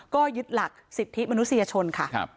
ก็ยึดหลักสิทธิมนุษยชนค่ะ